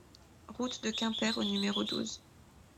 Route de Quimper au numéro douze